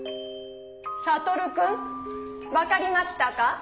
サトルくん分かりましたか？